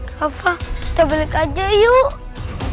tapi aku takut